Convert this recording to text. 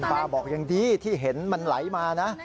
ป้าบอกยังดีที่เห็นมันไหลมานะ